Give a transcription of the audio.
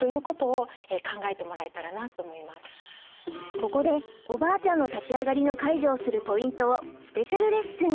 ここでおばあちゃんの立ち上がりの介助をするポイントをスペシャルレッスン！